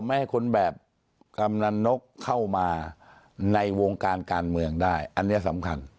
ไม่ให้คนแบบกำนันนกเข้ามาในวงการการเมืองได้อันนี้สำคัญ